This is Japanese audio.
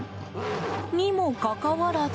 にもかかわらず。